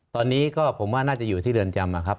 ตอนนี้ก็ผมว่าน่าจะอยู่ที่เรือนจำนะครับ